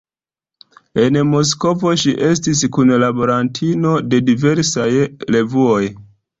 En Moskvo ŝi estis kunlaborantino de diversaj revuoj.